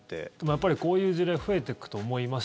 やっぱりこういう事例増えてくと思います。